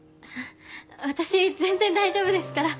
私全然大丈夫ですから。